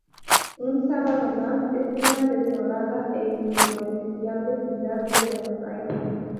Un sábado más en una desolada e irreconocible ciudad de Buenos Aires.